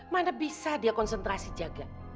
mana bisa dia konsentrasi jaga